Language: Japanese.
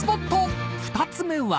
［２つ目は］